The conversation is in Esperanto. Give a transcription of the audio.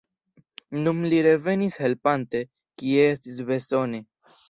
Nun li revenis helpante, kie estis bezone.